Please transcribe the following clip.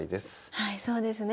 はいそうですね。